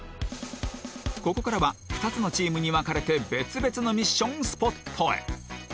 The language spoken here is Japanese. ここからは２つのチームに分かれて別々のミッションスポットへ